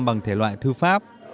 bằng thể loại thư pháp